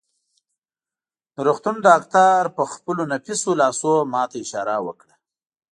د روغتون ډاکټر په خپلو نفیسو لاسو ما ته اشاره وکړه.